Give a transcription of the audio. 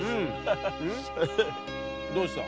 どうした？